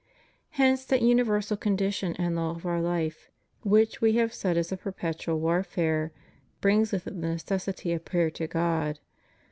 Hence that universal condition and law of our life, which We have said is a perpetual warfare, brings with it the necessity of prayer to God.